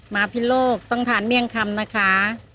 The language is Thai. มาพิโลกต้องทานเมี่ยงคำนะคะ